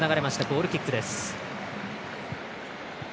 ゴールキックです。